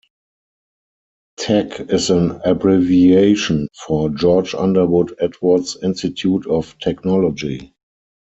Tech is an abbreviation for "George Underwood Edwards Institute of Technology".